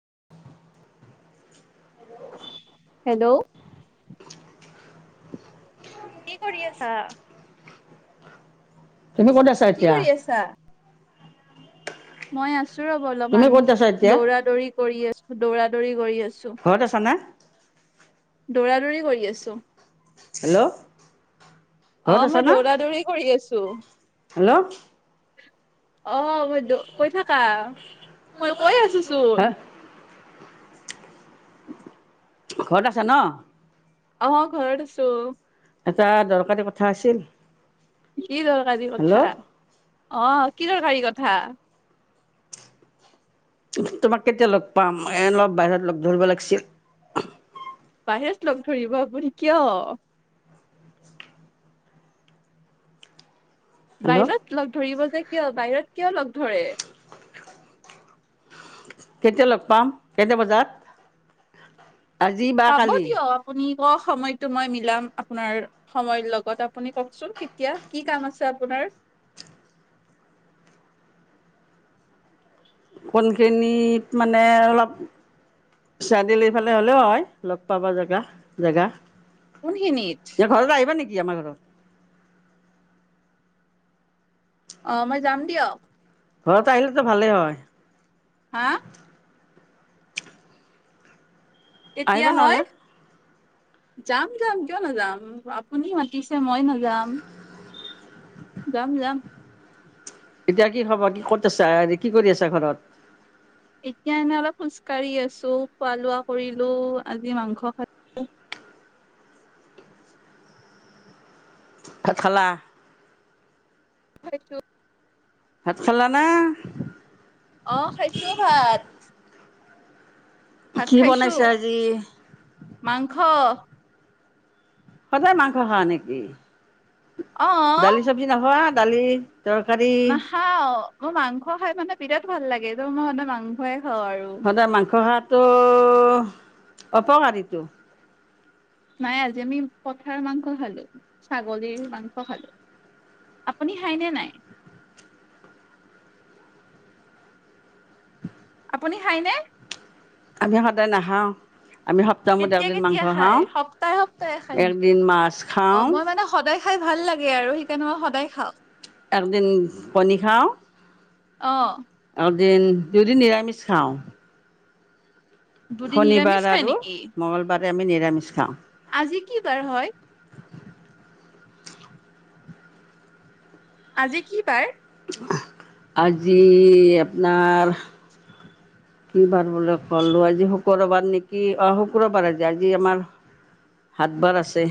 [inaudible] Hello. কি কৰি আছা? তুমি ক'ত আছা কি এতিয়া? কৰি আছা? মই আছো। আছো ৰ'ব তুমি অলপমান, ক'ত আছা এতিয়া? দৌৰা দৌৰি কৰি আছো। দৌৰা দৌৰি কৰি আছোঁ। ঘৰত আছ না? দৌৰা দৌৰি কৰি আছো। হেল্ল' অ ঘত আছ মই ন? দৌৰা দৌৰি কৰি হেল্ল'? অহ মই। কৈ থাকা ক কৈ আছো চোন। হা ঘৰত আছা ন? অ ঘৰত আছোঁ। এটা দৰকাৰী কথা আছিল। কি দৰকাৰী কথা? হেল্ল' অ কি দৰকাৰী কথা? হা তোমাক কেতিয়া লগ পাম এ অলপ বাহিৰত লগ ধৰিব লাগিছিল। বাহিৰত লগ ধৰিব আপুনি কিয়? হেল্ল' বাহিৰত লগ ধৰিব যে। কিয় বাহিৰত কিয় লগ ধৰে? কেতিয়া লগ পাম? কেইটা বজাত? আজি বা পাব কালি। দিয়ক আপুনি ক সময়টো মই মিলাম আপোনাৰ সময়ৰ লগত, আপুনি কওকচোন কেতিয়া? কি কাম আছে আপোনাৰ? কণখিনিত মানে অলপ চৰা দিল এইফালে হ'লেও হয় লগ পাব জেগা জেগা। কোনখিনিত? কি আমাৰ ঘৰত অঁ, মই যাম দিয়ক। ঘৰত আহিলেতো ভালেই হয়। হা? কেতিয়া আহিবা নহ'লে। হয়? যাম- যাম কিয় নাযাম, আপুনি মাতিছে মই নাযাম, যাম- যাম। এতিয়া কি খবৰ কি ক'ত আছা হেৰি কি কৰি আছা ঘৰত? এতিয়া এনেই অলপ খোজকাঢ়ি আছো, খোৱা লোৱা কৰিলো আজি মাংস খালো ভাত খালা। [unintelligible] ভাত খালা না? অঁ, খাইছো ভাত। ভাত কি খাইছো, বনাইছা আজি? মাংস। সদায় মাংস খা নেকি? অ দালি চব্জি নাখোৱা। [inaudible] নাখাও। মোৰ মাংস খাই মানে বিৰাট ভাল লাগে, ত মই সদাই মাংস এ সদায় মাংস খোৱাটো অপকাৰীতো। নাই আজি আমি পঠাৰ মাংস খালো, ছাগলীৰ মাংস খালো, আপুনি খাইনে নাই। আপুনি খাইনে? আমি সদায় নাখাওঁ। আমি সপ্তাহত কেতিয়া- একদিন মাংস কেতিয়া খাই, খাওঁ, সপ্তাহে-সপ্তাহে খাই একদিন নেকি, মাছ অঁ খাওঁ, মই মানে সদায় খাই ভাল লাগে আৰু সেইকাৰণে মই সদায় খাওঁ। একদিন কণী খাওঁ অঁ। দিন দুদিন নিৰামিষ খাওঁ। দুদিন নিৰামিষ শনিবাৰ খায় আৰু নেকি মংগলবাৰ আমি নিৰামিষ খাওঁ। আজি কি বাৰ হয়? আজি কি বাৰ? আজি আপোনাৰ কি বাৰ বোলে ক'লো আজি শুক্ৰবাৰ নেকি অ শুক্ৰবাৰ আজি-আজি আমাৰ হাত বাৰ আছে।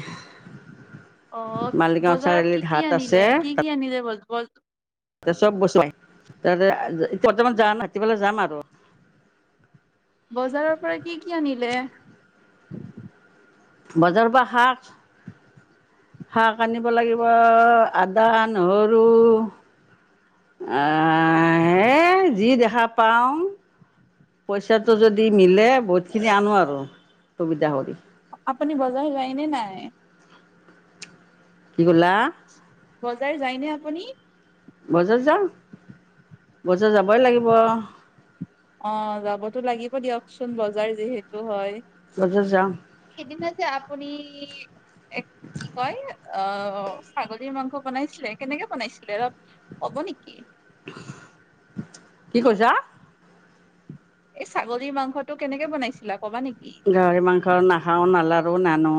অঁ, মালিগাঁও বজাৰত চাৰিআলিত কি-কি হাট আছে আনিলে, কি- কি আনিলে বজাৰত [inaudible] চব বস্তুৱেই, এতিয়া বৰ্তমান যাৱা নাই [unintelligible] যাম আৰু। বজাৰৰ পৰা কি- কি আনিলে? বজাৰৰ পৰা শাক, শাক আনিব লাগিব আদা, নহৰু আ হে যি দেখা পাওঁ পইচাটো যদি মিলে বহুতখিনি আনো আৰু সুবিধা কৰি। আপুনি বজাৰ যায়নে নাই? কি কলা। বজাৰ যায়নে আপুনি বজাৰ যাওঁ বজাৰ যাবই লাগিব। অ যাবতো লাগিব দিয়কচোন বজাৰ যিহেতু হয়। বজাৰ যাওঁ সেইদিনা যে আপুনি কি কয়। অ ছাগলীৰ মাংস বনাইছিলে কেনেকে বনাইছিলে অলপ ক'ব নেকি? কি কৈছা। এই ছাগলীৰ মাংসটো কেনেকে বনাইছিলা কবা নেকি? গাহৰি মাংস নাখাওঁ নালাৰো নানো।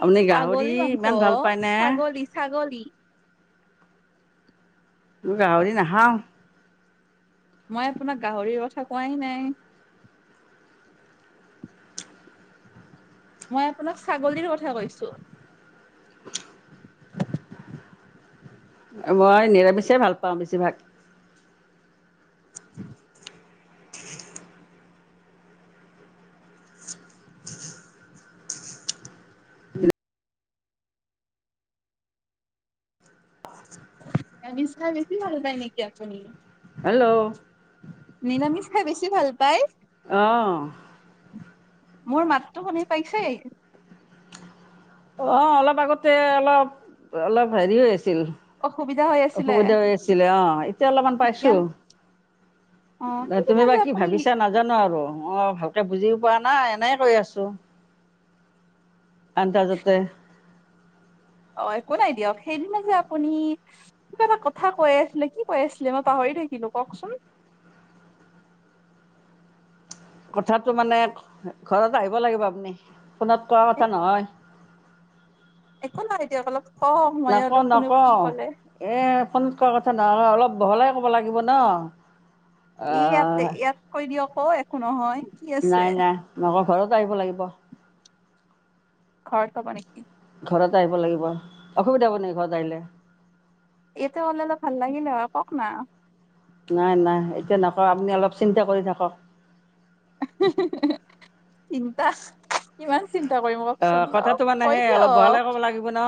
আপুনি গাহৰি ছাগলী মাংস ইমান অ। ভাল পায়নে ছাগলী ছাগলী। গাঁহৰি নাখাঁও। মই আপোনাক গাহৰিৰ কথা কোৱাই নাই। মই আপোনাক ছাগলীৰ কথা কৈছো মই নিৰামিষে ভাল পাওঁ বেছিভাগ পাঁচ নিৰামিষ খাই বেছি ভাল পায় নেকি আপুনি হেল্ল' নিৰামিষ খাই বেছি ভাল পাই অঁ মোৰ মাতটো শুনি পাইছে অ অলপ আগতে অলপ অলপ হেৰি হৈ আছে ছিল অসুবিধা হৈ আছিলে অসুবিধা হৈ আছিলে অ এতিয়া অলপমান এতিয়া পাইছো অ তুমি সেইদিনা বা যে কি আপুনি ভাবিছা নাজানো আৰু অ ভালকে বুজি পোৱা নাই এনে কৰি আছো আন্দজাতে অ একো নাই দিয়ক সেইদিনা যে আপুনি কিবা এটা কথা কৈ আছিলে কি কৈ আছিলে মই পাহৰি থাকিলো কওঁকচোন কথাতো মানে ঘৰত আহিব লাগিব আপুনি ফোনত কোৱা এ কথা নহয় একো নাই দিয়ক অলপ কওক মই নকওঁ অলপ শুনো নকওঁ কি ক'লে এ ফোনত কোৱা কথা নহয় অলপ বহলাই ক'ব লাগিব ন ই আহ ইয়াতে কৰি দিয়ক ঐ একো নহয় কি আছে নাই নাই নকওঁ ঘৰত আহিব লাগিব ঘৰত কব নে ঘৰত আহিব লাগিব অসুবিধা হ'ব নেকি ঘৰত আহিলে ইয়াতে হলে অলপ ভাল লাগে না কওক না নাই নাই এতিয়া নকওঁ আপুনি অলপ চিন্তা কৰি থাকক হু হু চিন্তা কিমান চিন্তা কৰিম অ কওকচোন অলপ কথাটো মানে কৈ সে অলপ বহালে দিয়ক ক'ব লাগিব ন।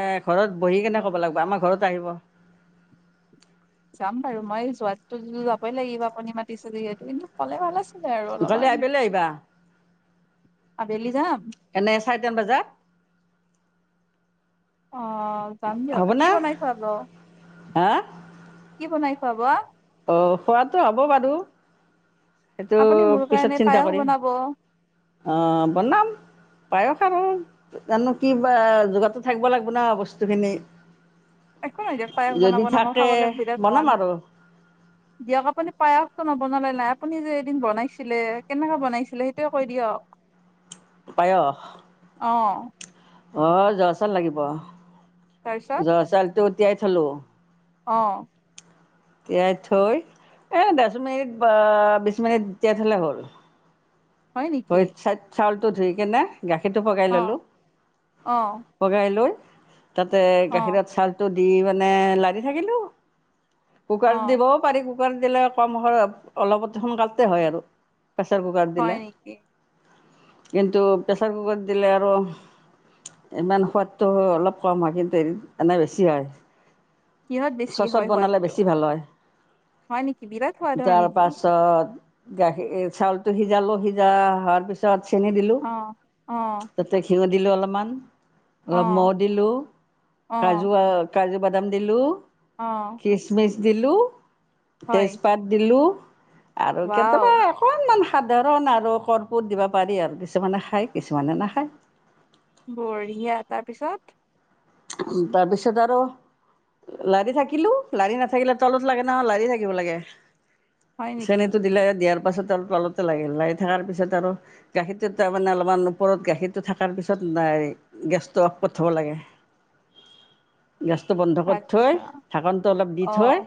এ ঘৰত, বহি কেনে ক'ব লাগিব, আমাৰ ঘৰত আহিব। যাম বাৰু মই যোৱাতো যাবই লাগিব আপুনি মাতিছেো সিহেতু কিন্তু ক'লে ভাল আছ। কালি আবেল আহিবা। আবেলি যাম। এনে চাৰিটান বজাত। অ যাম দিয়ক। কি হ'বনে বনাই খোৱাব? হা কি বনাই খোৱাব? অ খোৱটো হ'ব বাৰু। সেইটো আপুনি মোৰ পিছত কাৰণে চিন্তা পায়স কৰিম বনাব আহ বনাম। পায়স আৰু জানো কি বা যোগাৰতো থাকিব লাগিব না বস্তু খিনি। একো নাই দে। পায়স বনাব নাম খাবলৈ বিৰাট বনাম মন। আৰু দিয়ক, আপুনি পায়সটো নবনালে নাই। আপুনি যে এদিন বনাইছিলে, কেনেকুৱা বনাইছিলে সেইটোৱে কৈ দিয়ক। পায়স। অহ। অহ, জোহা চাউল লাগিব। তাৰপিছত জোহা চাউলতোত- তিয়াই থ'লোঁ। অহ। তিয়াই থৈ এহ, দহ মিনিট বা বিশ মিনিট তিয়াই থ'লে হ'ল। হয় ত নেকি ইটচাইট চাউলটো ধুই কিনে- গাখীৰটো পগাই অ ল'লোঁ। অ পগাই লৈ- তাতে অ গাখীৰত চাউলটোত- দি মানে লাৰি থাকিলোঁ। অ কুকাৰ দিবও পাৰি। কুকাৰত দিলে কম সয়ত, অলপত সোনকালতে হয় আৰু। প্ৰেছাৰ কুকাৰত দিলে। কি? কিন্তু প্ৰেছাৰ কুকাৰত দিলে আৰু, ইমান সোৱাদটো অলপ কম, [unintelligible] এনে বেছি হয়। কিহত বেছি চচত হয় বনালে সোৱাদটো বেছি ভাল হয়। হয় নেকি বিৰাট সোৱাদ হয় তাৰ নেকি পাছত- গাখী ই চাউলতটো সিজালোঁ সি- যা হোৱাৰ পিছত- চেনি দিলোঁ। অ অ তাতে খিৰ- দিলোঁ অলপমান। অ অলপ মহ দিলোঁ, অ কাজু আ- কাজু বাদাম দিলোঁ। অ কিচ মিচ-। দিলোঁ। হয় তেজপাত দিলোঁ। আৰু ৱাও কেতিয়াবা অকনমান-। সাধাৰণ আ-। আৰু কৰ্পূট দিব পাৰি আৰ। কিছুমানে খায়, কিছুমানে নাখায়। বঢ়িয়া, তাৰ পিছত? উম, তাৰপিছত আৰু, লাৰি থাকিলোঁ। লাৰি নাথাকিলে তালুত লাগে ন, লাৰি থাকিব লাগে। হয় নেকি চেনিতো দিলে, দিয়াৰ- পাছত আৰু তলতে লাগিল। লাগি থকাৰ পিছত আৰু, গাখীৰটো তাৰমানে অলপমান ওপৰত গাখীৰটো থকাৰ পিছত নাই, গেছটো অফত থব লাগে। গেছটো বন্ধ কৰি থৈ, আচ্ছা ঢাকনটো অলপ দি অ থৈ,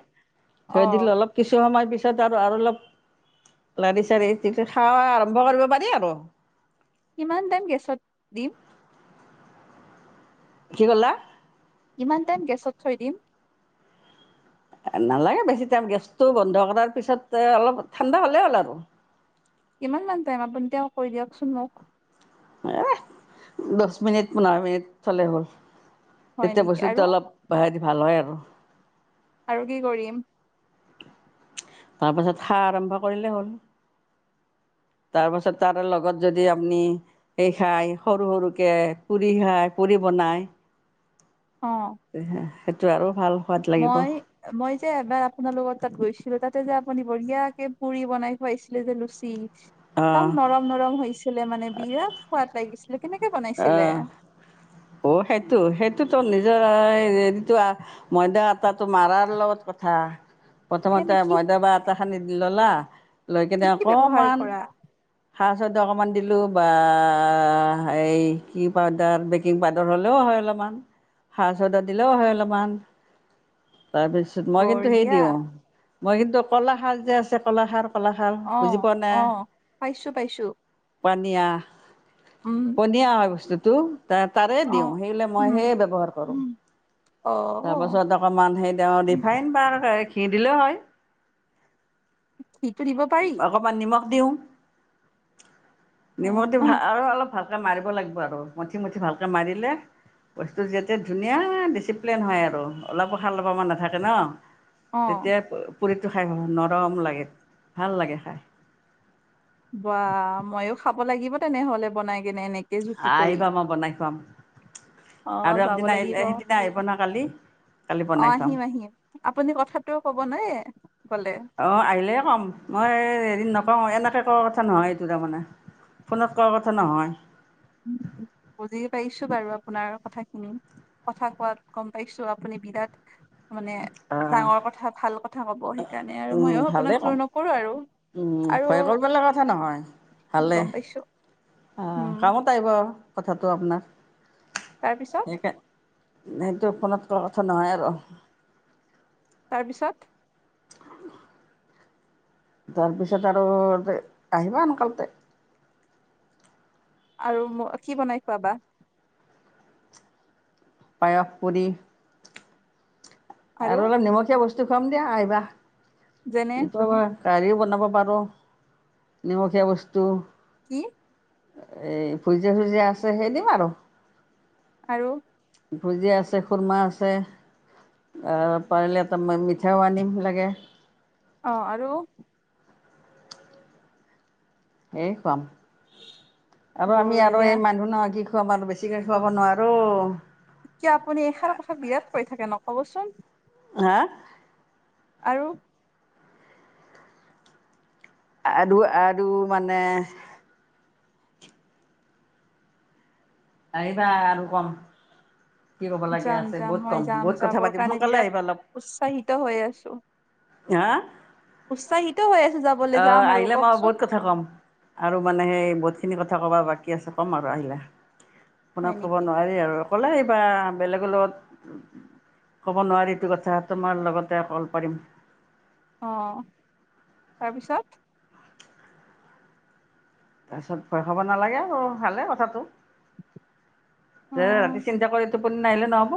অ থৈ দিলে অলপ কিছু সময় পি-। আৰু অলপ লাৰি চাৰি খোৱা আৰম্ভ কৰিব পাৰি আৰু। কিমান টাইম গেছত দিম? কি ক'লা? কিমান টাইম গেছত থৈ দিম? নালাগে বেছি টাইম গেছটো বন্ধ কৰাৰ পিছত অলপ ঠাণ্ডা হ'লেই হ'ল আৰু। কিমান মান টাইম আপুনি তেওঁ কৈ দিয়কচোন মোক। এ' দচ মিনিট পোন্ধৰ মিনিট থলে হ'ল। হয় তেতিয়া নেকি আৰু বস্তুত অলপ। ভাল হয় আৰু। আৰু কি কৰিম? তাৰপাছত সা আৰম্ভ কৰিলে হ'ল তাৰপাছত তাৰ লগত যদি আপুনি সেই খাই সৰু সৰুকে পুৰি খাই পুৰি বনাই। অ [unintelligible] সেইটো আৰু ভাল। সোৱাদ লাগিব অঁ মই, মই যে এবাৰ আপোনালোকৰ তাত গৈছো। তাতে যে আপুনি বঢ়িয়াকে পুৰি বনাই খুৱাইছিলে যে লুচি। একদম নৰম নৰম হৈছিলে মানে বিৰাট সোৱাদ লাগিছিল। অহ' অ' সেইটো সেইটোতো নিজ। যদি তোৰ ময়দা। টো মাৰাৰ লগত কথা প্ৰথমতে কেনে কি মইদা বা আটা। খানি দি ললা। লৈ কিনে কি কি ব্যৱহাৰ অকমান। কৰা চাৰ অকমান দিলো বা। এই কি পাউদাৰ বেকিং পাউদাৰ হ'লেও হয় অলমান হাৰ চাউডাৰ দিলেও হয় অলপমান। তাৰপিছত মই কিন্তু হেই বঢ়িয়া দিওঁ মই কিন্তু কলাখাৰ যে আছে কলাখাৰ। কলাখাৰ বুজি অ' পোৱা অ', পাইছো পাইছো। পনিয়া। উম পনীয়া হয় বস্তুটো। টো। তাৰে অ দিওঁ সেইল মই উম সেই ব্যৱহাৰ কৰো উম অ তাৰপাছত অকমান সেই দি উম ৰিফাইন বাৰ ঘি দিলেও হয়। ঘিটো দিব পাৰি? অকণমান নিমখ দিওঁ। অ নিমখটো ভাল আৰু অলপ ভালকে মাৰিব লাগিব আৰু মুঠি মুঠি ভালকে মাৰিলে বস্তু যাতে ধুনীয়া ডিচিপ্লিন হয় আৰু অলপো [unintelligible] নাথাকে ন। অ তেতিয়া পুৰি তো খাই [unintelligible] নৰম লাগে ভাল লাগে খাই। বা মই ও খাম। খাব লাগিব তেনেহ'লে বনাই কেনে এনেকে। জুতি কৰি আহিবা মই বনাই খুৱাম আহ আৰু যাব একদিনা আহিলে লাগিব অ সেইদিনা আহিব ন কালি কালি বনাই খুৱাম আহিম আহিম আপুনি কথাটো কব নে এ অ আহিলে ক'ম মই এদিন ন- অ এনেকে কোৱা কথা নহয় এইটো মানে ফোনত কোৱা কথা নহয়। বুজি পাইছো বাৰু আপোনাৰ কথা খিনি কথা কোৱাত গম পাইছো আপুনি বিৰাট। মানে ডাঙৰ আহ কথা ভাল কথা কব। সেইকাৰণে আৰু মইয়ো ভালেই আপোনাক ক'ম জোৰ নকৰো আৰু আৰু ভয় কৰিব লগা কথা নহয় ভালে গম পাইছো। অ উম কামত আহিব। কথাাটো আপোনাৰ। তাৰ পিছত। সেইকা সেইটো ফোনত কোৱা কথা নহয় আৰু। তাৰ পিছত। তাৰপিছত আৰু আহিবা সোনকালতে আৰু ম কি বনাই খোৱাবা? পায়স পনিৰ। আৰু অলপ নিমখীয়া বস্তু। খোৱাম দিয়া আহিবা। যেনে ই তো এ বাও কাৰডীও বনাব পাৰোঁ নিমখীয়া বস্তু। কি এই ভুজিয়া চুজিয়া আছে সেই দিম আৰু। আৰু ভুজিয়া আছে খুুৰমা আছে পাৰিলে এটা মিঠাও আনিম লাগে। অ আৰু এই এ খুৱাম। আৰু আমি আৰু বঢ়িয়া এই মানুহ নহয কি। কি কম আৰ বেছিকে খুৱাব নোৱাৰো। এতিয়া আপুনি এষাৰ কথাত বিৰাট কৈ থাকে ন। ক'বচোন। হা। আৰু। আৰু আৰু মানে আহিবা আৰু কম। কি ক'ব লাগে যাম আছে যাম বহুত কম মই যাম, বহুত কথা যাবৰ পাতিম কাৰণে সোনকালে বিৰাট আহিবা অলপ উৎসাহিত হৈ আছো। হা? উৎসাহিত হৈ আছো যাবলৈ অ' যাম আৰু আহিলে মই বহুত কওকচোন কথা কম আৰু মানে সেই বহুত জখিনি কথা ক'বা বাকী আছে ক'ম আৰু আহিলে। হয় আপোনাক কব নেকি নোৱাৰি আৰু। ক'লে এইবা বেলেগৰ লগত ক'ব নোৱাৰি এইটো কথা তোমাৰ লগতে অকল পাৰিম। অ', তাৰপিছত? তাৰপিছত ভয় খাব নালাগে আৰু ভালে কথাটো, অ যে ৰাতি চিন্তা কৰি টোপনি নাহিলে নহ'ব।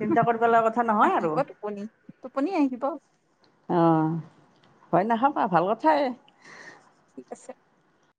চিন্তা কৰবালাগা কথা নহয় আৰু আহিব টোপনি টোপনি আহিব অ। ভয় নাখাবা, ভাল কথাই এ। ঠিক আছে।